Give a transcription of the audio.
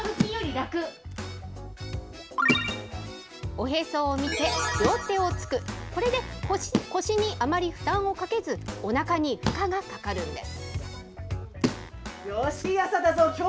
おへそを見て、両手をつく、これで腰にあまり負担をかけず、おなかに負荷がかかるんです。